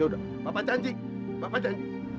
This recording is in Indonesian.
yaudah bapak janji bapak janji